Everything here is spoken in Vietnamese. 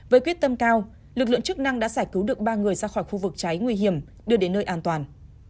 với quyết tâm cao lực lượng chức năng đã giải cứu được ba người ra khỏi khu vực cháy nguy hiểm đưa đến nơi an toàn